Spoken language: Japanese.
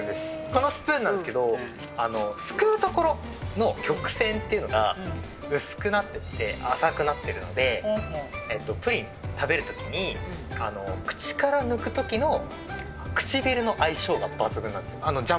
このスプーンなんですけど、すくう所の曲線っていうのが薄くなってて、浅くなってるんで、プリン食べるときに、口から抜くときの唇の相性が抜群なんです。